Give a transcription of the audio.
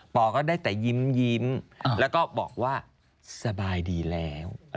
อก็ได้แต่ยิ้มแล้วก็บอกว่าสบายดีแล้ว